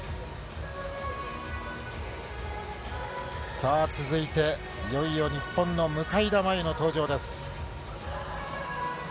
さあ、続いて、いよいよ日本の向田真優の登場です。